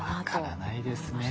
分からないですね。